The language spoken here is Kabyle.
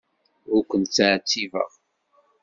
Ur ken-ttɛettibeɣ.